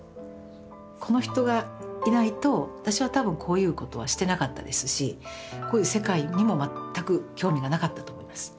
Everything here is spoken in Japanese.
この人がいないと私は多分こういうことはしてなかったですしこういう世界にも全く興味がなかったと思います。